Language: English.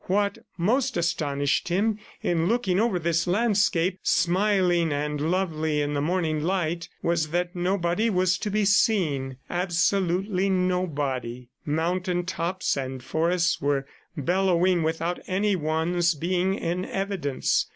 What most astonished him in looking over this landscape, smiling and lovely in the morning light, was that nobody was to be seen absolutely nobody. Mountain tops and forests were bellowing without anyone's being in evidence.